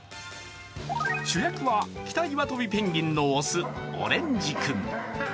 主役はキタイワトビペンギンの雄オレンジ君。